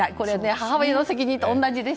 母親の責任と同じで。